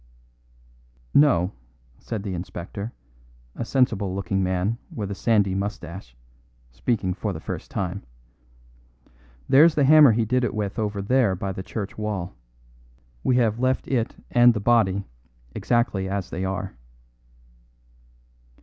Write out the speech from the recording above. "No," said the inspector, a sensible looking man with a sandy moustache, speaking for the first time. "There's the hammer he did it with over there by the church wall. We have left it and the body exactly as they are."